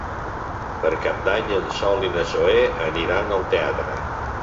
Per Cap d'Any en Sol i na Zoè aniran al teatre.